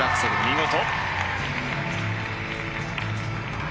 見事。